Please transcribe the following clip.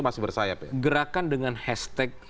masih bersayap ya gerakan dengan hashtag